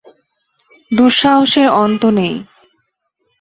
দুঃসাহসের অন্ত নেই।